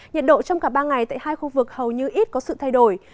nhiệt độ trong cả ba ngày tại hai khu vực hầu như ít có sự thay đổi